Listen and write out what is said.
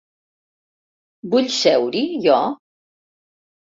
Vull seure-hi, jo?